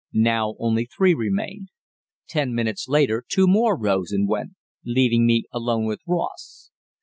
Now only three remained. Ten minutes later two more rose and went, leaving me alone with Ross.